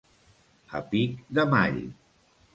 A pic de mall.